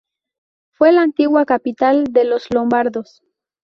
Fue la antigua capital de los lombardos.